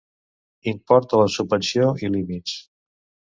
Import de la subvenció i límits.